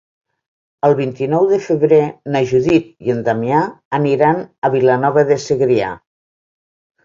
El vint-i-nou de febrer na Judit i en Damià aniran a Vilanova de Segrià.